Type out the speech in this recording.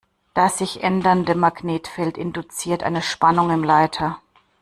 Das sich ändernde Magnetfeld induziert eine Spannung im Leiter.